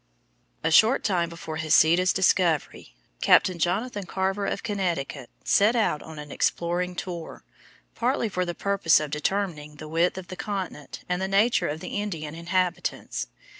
A short time before Heceta's discovery, Captain Jonathan Carver of Connecticut set out on an exploring tour, partly for the purpose of determining the width of the continent and the nature of the Indian inhabitants.